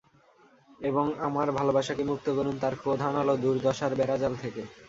এবং আমার ভালোবাসাকে মুক্ত করুন তার ক্রোধানল ও দুর্দশার বেড়াজাল থেকে।